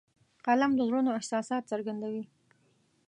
قلم د زړونو احساسات څرګندوي